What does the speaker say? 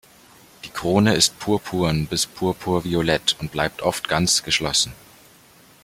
Die Krone ist purpurn bis purpur-violett und bleibt oft ganz geschlossen.